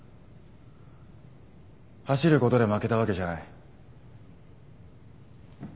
走ることで負けたわけじゃない。